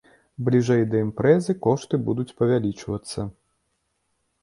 Бліжэй да імпрэзы кошты будуць павялічвацца.